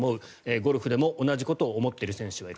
ゴルフでも同じことを思っている選手はいる。